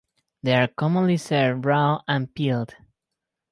They are commonly served raw and peeled.